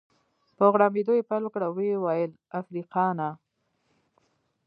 په غړمبېدو يې پیل وکړ او ويې ویل: افریقانا.